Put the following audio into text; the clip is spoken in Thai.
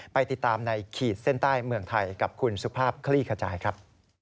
ไปติดตามในขีดเส้นใต้เมืองไทยกับคุณสุภาพคลี่ขจายครับ